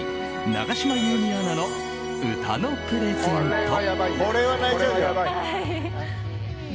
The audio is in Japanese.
永島優美アナの歌のプレゼント。